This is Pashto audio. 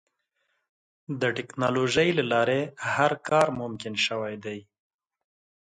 د ټکنالوجۍ له لارې هر کار ممکن شوی دی.